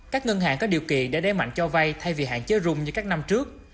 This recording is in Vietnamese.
các ngân hàng có điều kỳ để đe mạnh cho vay thay vì hạn chế rung như các năm trước